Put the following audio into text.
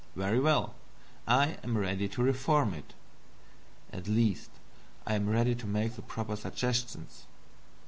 Very well, I am ready to reform it. At least I am ready to make the proper suggestions.